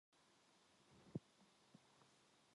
동혁은 벌떡 일어나 영 신의 두 손을 덥석 쥐고 잡아 흔든다.